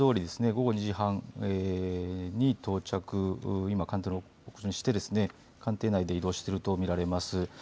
午後２時半に到着、今官邸の屋上に到着して官邸内で移動しているとみられます。